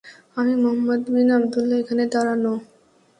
আমি Muhammad bin Abdullah এখানে দাঁড়ানো।